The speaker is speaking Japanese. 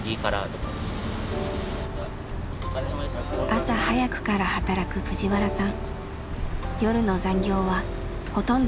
朝早くから働くプジワラさん。